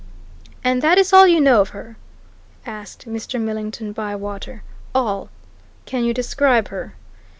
"And that is all you know of her?" asked Mr. Millington Bywater. "All!" "Can you describe her?"